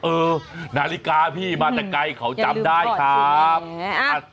เออนาฬิกาพี่มาแต่ไกลเขาจำได้ครับ